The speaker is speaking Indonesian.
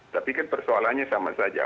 tapi persoalannya sama saja